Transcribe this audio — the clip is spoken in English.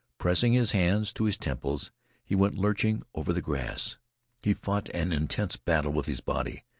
Pressing his hands to his temples he went lurching over the grass. He fought an intense battle with his body.